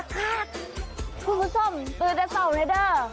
คุณผู้ชมฝึกได้เต้าไลด์เดอร์